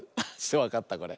わかったこれ？